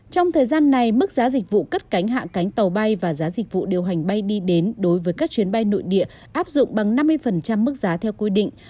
trong thời gian này mức giá dịch vụ cất cánh hạ cánh tàu bay và giá dịch vụ điều hành bay đi đến đối với các chuyến bay nội địa áp dụng bằng năm mươi mức giá theo quy định